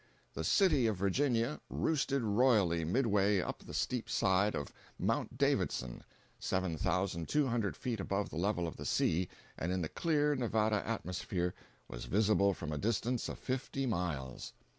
The "city" of Virginia roosted royally midway up the steep side of Mount Davidson, seven thousand two hundred feet above the level of the sea, and in the clear Nevada atmosphere was visible from a distance of fifty miles!